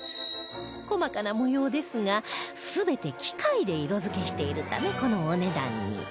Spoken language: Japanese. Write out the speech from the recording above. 細かな模様ですが全て機械で色づけしているためこのお値段に